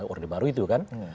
orde baru itu kan